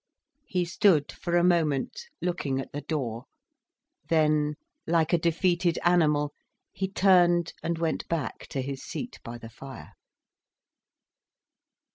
He stood for a moment looking at the door. Then, like a defeated animal, he turned and went back to his seat by the fire.